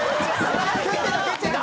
「蹴ってた蹴ってた！」